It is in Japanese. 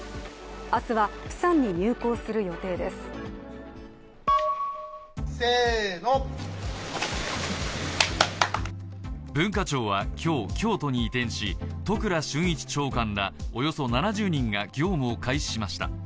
明日はプサンに入港する予定でする文化庁は今日、京都に移転し、都倉俊一長官らおよそ７０人が業務を開始しました。